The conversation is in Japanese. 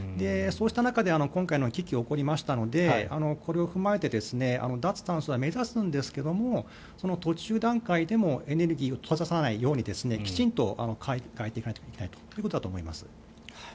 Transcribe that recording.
そうした中で今回の危機が起こりましたのでこれを踏まえて脱炭素は目指すんですがその途中段階でもエネルギーを閉ざさないようにきちんと考えていくということだと思います。